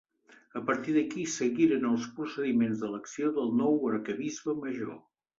A partir d'aquí seguiren els procediments d'elecció del nou Arquebisbe Major.